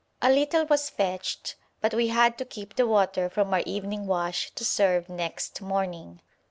A little was fetched, but we had to keep the water from our evening wash to serve next morning.